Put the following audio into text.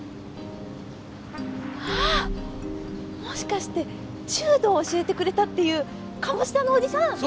もしかして柔道教えてくれたっていう鴨志田のおじさん？